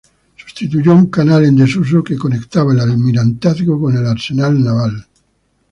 Sustituyó a un canal en desuso que conectaba el Almirantazgo con el Arsenal naval.